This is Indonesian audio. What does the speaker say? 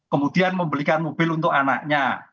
kemudian membelikan mobil untuk anaknya